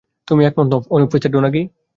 তুমি একমত নও, officer Donaghy?